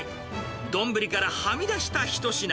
丼からはみ出した一品。